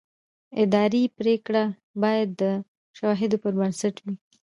اداري پرېکړه باید د شواهدو پر بنسټ وي.